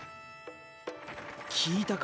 聞いたか？